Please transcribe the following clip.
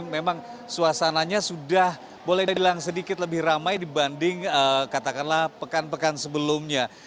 memang suasananya sudah boleh dibilang sedikit lebih ramai dibanding katakanlah pekan pekan sebelumnya